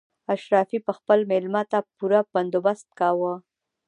اشرافي به خپل مېلمه ته پوره بندوبست کاوه.